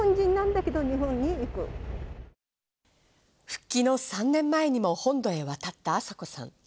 復帰の３年前にも本土へ渡った朝子さん。